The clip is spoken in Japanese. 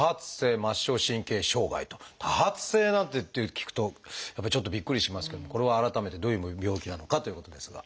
「多発性」なんていって聞くとやっぱりちょっとびっくりしますけどもこれは改めてどういう病気なのかっていうことですが。